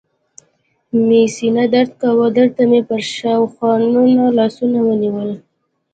مې سینه درد کاوه، دلته مې پر ښاخونو لاسونه ونیول.